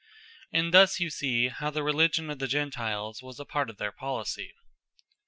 And thus you see how the Religion of the Gentiles was a part of their Policy.